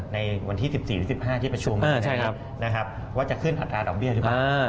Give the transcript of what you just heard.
ในวันที่๑๔หรือ๑๕ที่ประชุมว่าจะขึ้นอัตราดอกเบี้ยหรือเปล่า